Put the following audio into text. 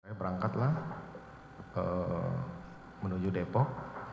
saya berangkatlah menuju depok